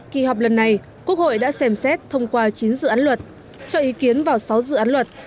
kỳ họp lần này quốc hội đã xem xét thông qua chín dự án luật cho ý kiến vào sáu dự án luật